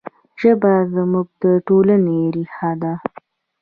ژبه زموږ د ټولنې ریښه ده.